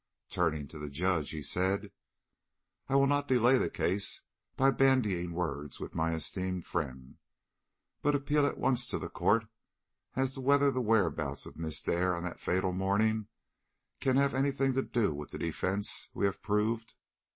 Turning to the Judge, he said: "I will not delay the case by bandying words with my esteemed friend, but appeal at once to the Court as to whether the whereabouts of Miss Dare on that fatal morning can have any thing to do with the defence we have proved."